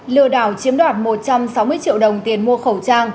lừa đảo chiếm đoạt một trăm sáu mươi triệu đồng tiền mua khẩu trang